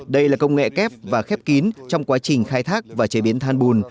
đây là công nghệ kép và khép kín trong quá trình khai thác và chế biến than bùn